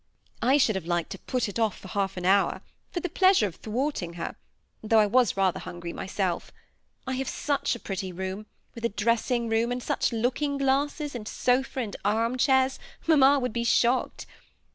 I should have liked to put it off for half an hour, for the pleasure of thwarting her, though I was rather hungry mjrself. I have such a pretty room, with a dressing room, and such looking glasses and sofa and arm chairs, mamma would be shocked.